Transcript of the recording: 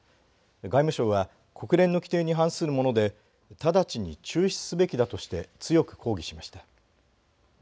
外務省は国連の規定に反するもので直ちに中止すべきだとして強く抗議しました。